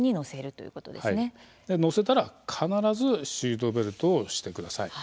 で乗せたら必ずシートベルトをしてください。